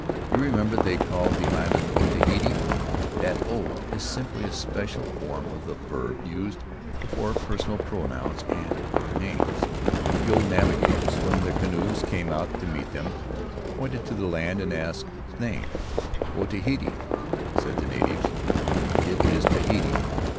You remember they called the island Otahiti. That O is simply a special form of the verb used before per sonal pronouns and proper nouns. The old navigators, when the canoes came out to meet them, pointed to the land and asked its name. 'O Tahiti' said the natives ('It is Tahiti').